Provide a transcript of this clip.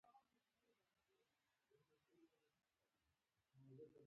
دښمن د خندا تر شا زهر لري